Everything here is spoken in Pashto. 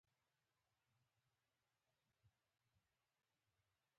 کلیمه د ژبي قانون تعقیبوي.